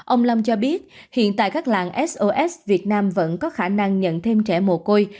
ông lâm cho biết hiện tại các làng sos việt nam vẫn có khả năng nhận thêm trẻ mồ côi